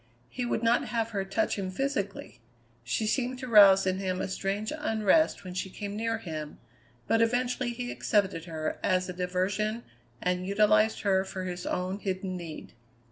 He would not have her touch him physically. She seemed to rouse in him a strange unrest when she came near him, but eventually he accepted her as a diversion and utilized her for his own hidden need.